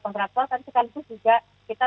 kontraktual tapi sekalipun juga kita